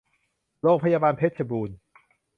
โรงพยาบาลเพชรบูรณ์